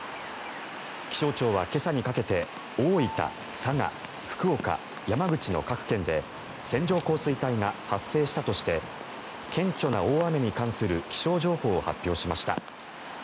気象庁は今朝にかけて大分、佐賀、福岡山口の各県で線状降水帯が発生したとして顕著な大雨に関する気象情報を発表しました。